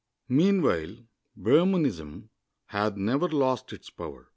iSIeanwhile, Brahmanism had never lost its power.